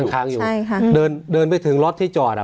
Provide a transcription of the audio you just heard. ค้างอยู่ใช่ค่ะเดินเดินไปถึงรถที่จอดอ่ะ